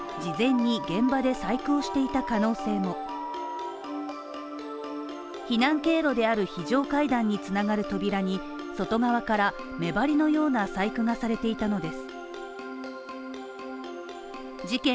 さらに、事前に現場で細工をしていた可能性も避難経路である非常階段に繋がる扉に外側から目張りのような細工がされていたのです。